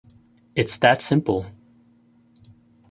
It's that simple.